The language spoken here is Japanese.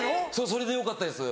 それでよかったです